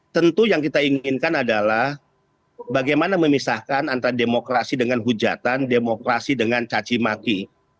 tentu yang kita inginkan adalah bagaimana memisahkan antara demokrasi dengan hujatan demokrasi dengan cacimaki